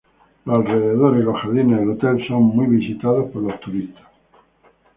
Los alrededores y los jardines del hotel, son muy visitados por los turistas.